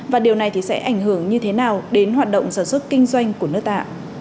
và điều này thì sẽ ảnh hưởng như thế nào đến hoạt động sản xuất kinh doanh của nước ta